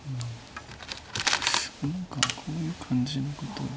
何かこういう感じのこと。